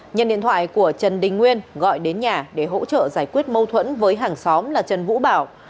nhân điện thoại của trần đình nguyên gọi đến nhà để hỗ trợ giải quyết mâu thuẫn với hàng xóm là trần vũ bảo